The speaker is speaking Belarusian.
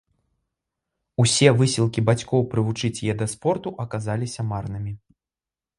Усе высілкі бацькоў прывучыць яе да спорту аказаліся марнымі.